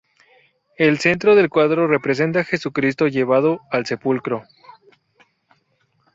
El centro del cuadro representa a Jesucristo llevado al sepulcro.